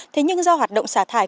thế nhưng do hoạt động xả thải